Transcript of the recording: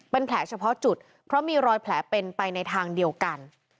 เป็นแผลเฉพาะจุดเพราะมีรอยแผลเป็นไปในทางเดียวกัน